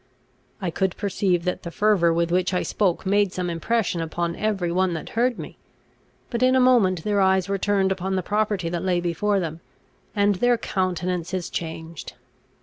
I could perceive that the fervour with which I spoke made some impression upon every one that heard me. But in a moment their eyes were turned upon the property that lay before them, and their countenances changed.